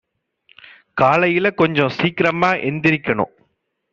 காலையில கொஞ்சம் சீக்கிரமா எந்திரிக்கனும்